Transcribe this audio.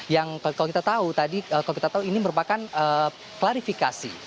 yang kalau kita tahu tadi ini merupakan klarifikasi